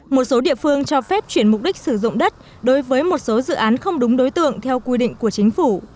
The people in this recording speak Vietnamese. một số địa phương cho phép chuyển mục đích sử dụng đất đối với một số dự án không đúng đối tượng theo quy định của chính phủ